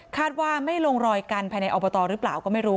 ว่าไม่ลงรอยกันภายในอบตหรือเปล่าก็ไม่รู้